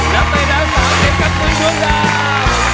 แล้วไปนะครับสวัสดีครับคุณดวงดาว